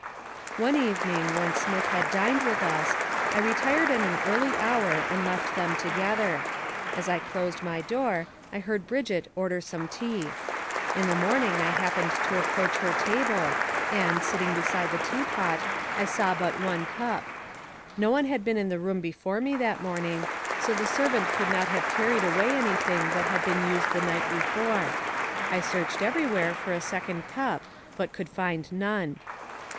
One evening when Smith had dined with us, I retired at an early hour and left them together. As I closed my door, I heard Brigitte order some tea. In the morning I happened to approach her table, and, sitting beside the teapot, I saw but one cup. No one had been in that room before me that morning, so the servant could not have carried away anything that had been used the night before. I searched everywhere for a second cup but could find none.